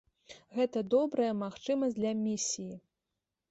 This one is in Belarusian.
Гэта добрая магчымасць для місіі.